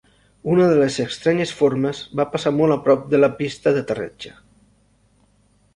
Una de les estranyes formes va passar molt a prop de la pista d'aterratge.